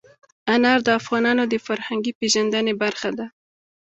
انار د افغانانو د فرهنګي پیژندنې برخه ده.